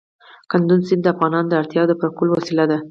کندز سیند د افغانانو د اړتیاوو د پوره کولو وسیله ده.